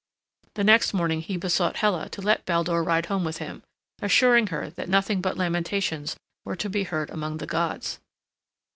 The next morning he besought Hela to let Baldur ride home with him, assuring her that nothing but lamentations were to be heard among the gods.